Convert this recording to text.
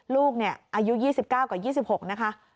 ลูกนี้อายุ๒๙กว่า๒๖นะคะ